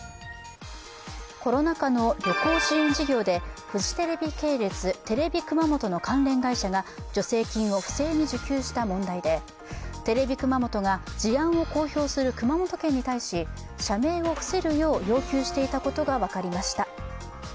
コロナ禍の旅行支援事業でフジテレビ系列、テレビ熊本の関連会社が助成金を不正に受給した問題でテレビ熊本が事案を公表する熊本県に対し社名を伏せるよう要求していたことが分かりました。